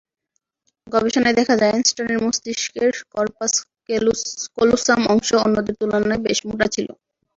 গবেষণায় দেখা যায়, আইনস্টাইনের মস্তিষ্কের কর্পাস কোলোসাম অংশ অন্যদের তুলনায় বেশ মোটা ছিল।